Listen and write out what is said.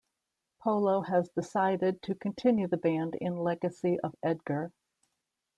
Polo has decided to continue the band in legacy of Edgar.